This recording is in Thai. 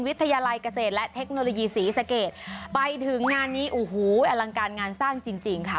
วิทยาลัยเกษตรและเทคโนโลยีศรีสะเกดไปถึงงานนี้โอ้โหอลังการงานสร้างจริงจริงค่ะ